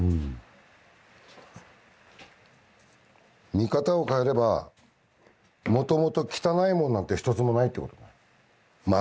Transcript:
見方を変えればもともと汚いものなんて一つもないってことね混ざってるだけで。